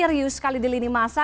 serius sekali di lini masa